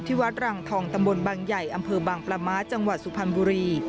ที่วัดรังทองตำบลบังใหญ่อำเภอบางประมาทจังหวัดสุพันธ์บุรี